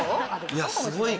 いやすごい。